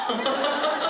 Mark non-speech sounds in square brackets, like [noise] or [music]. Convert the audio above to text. ハハハ [laughs]